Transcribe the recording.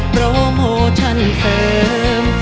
โปรโมชั่นเสริม